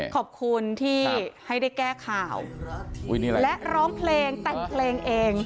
ขอบคุณที่ให้ได้แก้ข่าวและร้องเพลงแต่งเพลงเอง